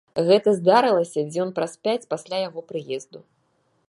Гэта здарылася дзён праз пяць пасля яго прыезду.